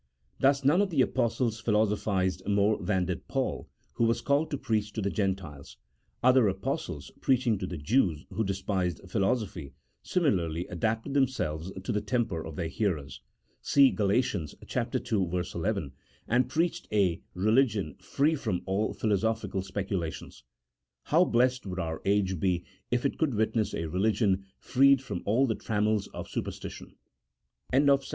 Thus none of the Apostles philosophized more than did Paul, who was called to preach to the Gentiles; other Apostles preaching to the Jews, who despised philosophy, similarly adapted themselves to the temper of their hearers (see G al. ii. 11), and preached a religion free from all philosophical speculations. How blest would our age be if it could witness a religion freed also from all the tram mels of superstition ! CHAP. XII.] OF THE SACREDNESS OF SCRIPTURE.